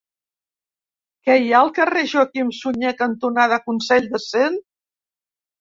Què hi ha al carrer Joaquim Sunyer cantonada Consell de Cent?